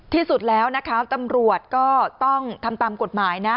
ที่สุดแล้วนะคะตำรวจก็ต้องทำตามกฎหมายนะ